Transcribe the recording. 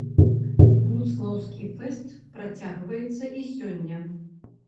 Будслаўскі фэст працягваецца і сёння.